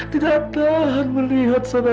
tidak tahan melihat ya allah